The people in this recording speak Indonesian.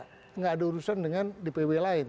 tidak ada urusan dengan dpw lain